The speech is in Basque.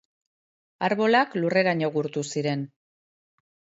Arbolak lurreraino gurtu ziren.